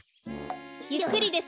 ゆっくりですよ。